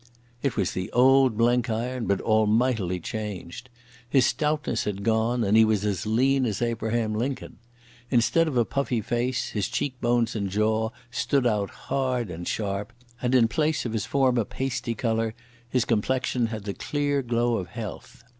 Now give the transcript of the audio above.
It was the old Blenkiron, but almightily changed. His stoutness had gone, and he was as lean as Abraham Lincoln. Instead of a puffy face, his cheek bones and jaw stood out hard and sharp, and in place of his former pasty colour his complexion had the clear glow of health.